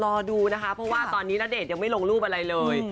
รอดูนะคะเพราะว่าตอนนี้ณเดชน์ยังไม่ลงรูปอะไรเลย